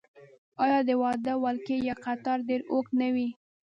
آیا د واده ولکۍ یا قطار ډیر اوږد نه وي؟